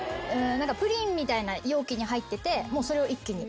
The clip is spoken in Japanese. プリンみたいな容器に入っててもうそれを一気に。